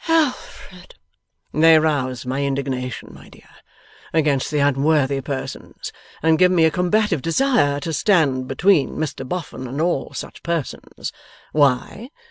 'Alfred!' 'They rouse my indignation, my dear, against the unworthy persons, and give me a combative desire to stand between Mr Boffin and all such persons. Why?